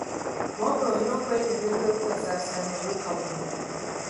Wabula olina okwegendereza obutasaasaanya buwuka buno.